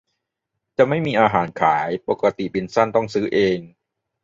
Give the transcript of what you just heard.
จะไม่มีอาหารขาย ปกติบินสั้นต้องซื้อเอง